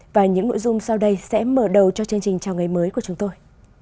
và những nội dung sau đây sẽ mở đầu cho chương trình chào ngày mới của chúng tôi